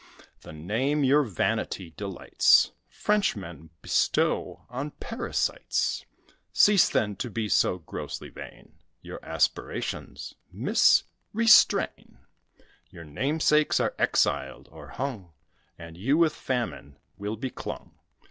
The name your vanity delights, Frenchmen bestow on parasites; Cease, then, to be so grossly vain, Your aspirations, Miss, restrain; Your namesakes are exiled or hung, And you with famine will be clung.